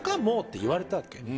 もう」って言われたわけ。